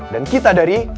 dan kita dari